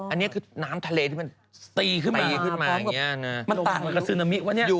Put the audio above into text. อันนี้คือน้ำทะเลที่มันตีขึ้นมา